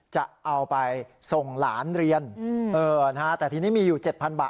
จะเอาไปส่งหลานเรียนแต่ทีนี้มีอยู่๗๐๐บาท